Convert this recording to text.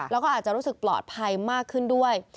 แล้วก็อาจจะรู้สึกปลอดภัยมากขึ้นด้วย